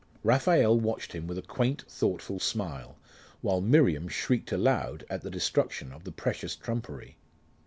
Raphael watched him with a quaint thoughtful smile, while Miriam shrieked aloud at the destruction of the precious trumpery.